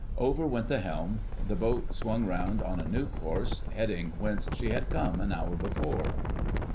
Over went the helm: the boat swung round on a new course, heading whence she had come an hour before.